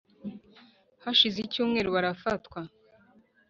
hashize icyumweru barafatwa